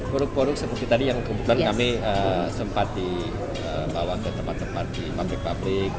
produk produk seperti tadi yang kebetulan kami sempat dibawa ke tempat tempat di pabrik pabrik